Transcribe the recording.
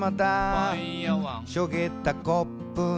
「しょげたコップに」